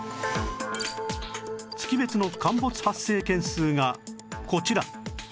月別の陥没発生件数がこちら